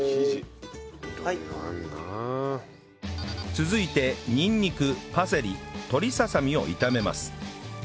続いてにんにくパセリ鶏ささみを炒めます